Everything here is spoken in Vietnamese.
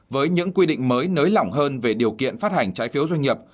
với những quy định mới nới lỏng hơn về điều kiện phát hành trái phiếu doanh nghiệp